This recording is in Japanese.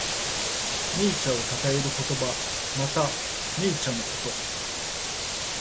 銘茶をたたえる言葉。また、銘茶のこと。